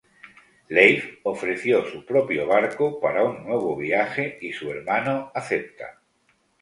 Leif ofreció su propio barco para un nuevo viaje y su hermano acepta.